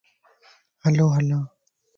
ھلو ھلان